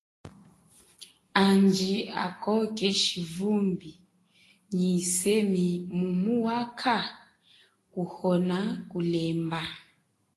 Andji, ako keshi vumbi nyi yisemi mumu wa kha? kuhonakulemba.